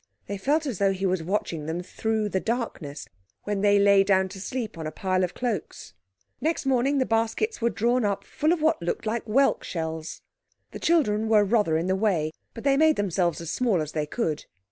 They felt as though he was watching them through the darkness, when they lay down to sleep on a pile of cloaks. Next morning the baskets were drawn up full of what looked like whelk shells. The children were rather in the way, but they made themselves as small as they could.